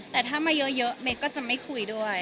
แต่ถ้ามาเยอะเมย์ก็จะไม่คุยด้วย